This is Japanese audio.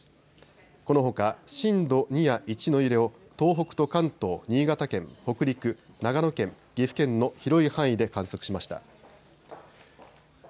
このほか震度２や１の揺れを東北と関東、新潟県、北陸、長野県、岐阜県の広い範囲で観測しました。